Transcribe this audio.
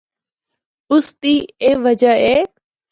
اُس دی اے وجہ اے۔